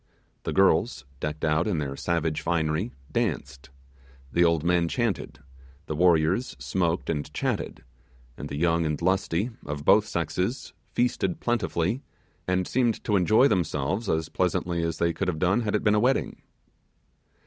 The girls, decked out in their savage finery, danced; the old men chanted; the warriors smoked and chatted; and the young and lusty, of both sexes, feasted plentifully, and seemed to enjoy themselves as pleasantly as they could have done had it been a wedding.